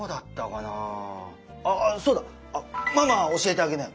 あっそうだママ教えてあげなよ。